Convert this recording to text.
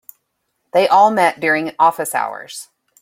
They all met during office hours.